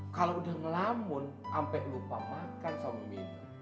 kalau udah ngelamun sampai lupa makan sama minum